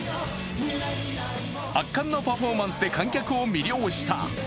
圧巻のパフォーマンスで観客を魅了した。